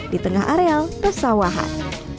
di tengah areal bersawahan